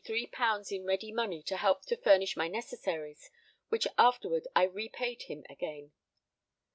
_ in ready money to help to furnish my necessaries, which afterward I repaid him again.